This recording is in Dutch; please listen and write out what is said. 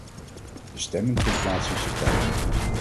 De stemming vindt plaats in september.